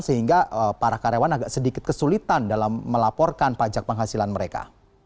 sehingga para karyawan agak sedikit kesulitan dalam melaporkan pajak penghasilan mereka